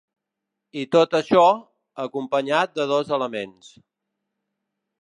I tot això, acompanyat de dos elements.